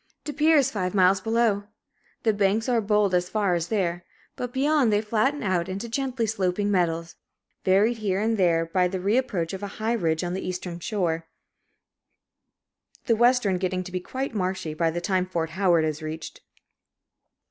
Depere is five miles below. The banks are bold as far as there; but beyond, they flatten out into gently sloping meadows, varied here and there by the re approach of a high ridge on the eastern shore, the western getting to be quite marshy by the time Fort Howard is reached.